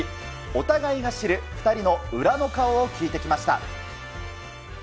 お互いが知る２人の裏の顔を聞いてきました。